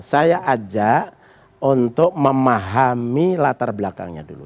saya ajak untuk memahami latar belakangnya dulu